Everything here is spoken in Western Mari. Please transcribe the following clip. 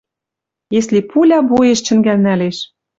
Если пуля боеш чӹнгӓл нӓлеш